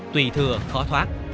tùy thừa khó thoát